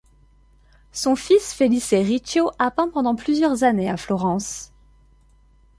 Son fils Felice Riccio a peint pendant plusieurs années à Florence.